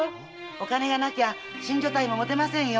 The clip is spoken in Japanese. お金がなきゃ新所帯も持てませんよ。